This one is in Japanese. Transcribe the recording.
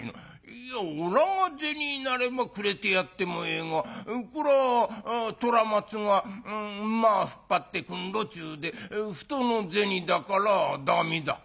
「いやおらが銭なればくれてやってもええがこら虎松が馬引っ張ってくんろちゅうて人の銭だからだめだ」。